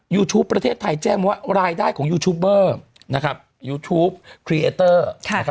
ยูทูปประเทศไทยแจ้งว่ารายได้ของยูทูบเบอร์ยูทูปครีเอเตอร์